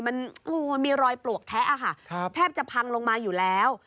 มันงูมันมีรอยปลวกแท้ค่ะแทบจะพังลงมาอยู่แล้ว